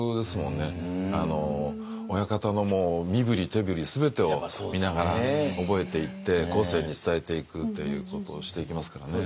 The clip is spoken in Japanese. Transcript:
あの親方の身振り手振り全てを見ながら覚えていって後世に伝えていくということをしていきますからね。